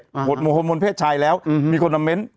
หมดฮอร์โมนเพศชัยแล้วมีคนอำเม้น